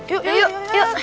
yuk yuk yuk